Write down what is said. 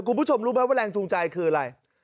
คุณผู้ชมรู้ไหมว่าแรงจูงใจคืออะไร